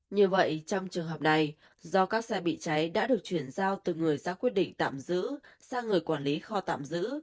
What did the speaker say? như vậy trong trường hợp này do các xe bị cháy đã được chuyển giao từ người ra quyết định tạm giữ sang người quản lý kho tạm giữ